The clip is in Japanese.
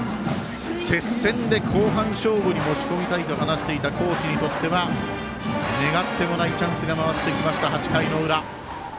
接戦で後半勝負に持ち込みたいと話していた高知にとっては願ってもないチャンスが回ってきました、８回の裏。